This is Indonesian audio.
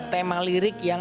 tema lirik yang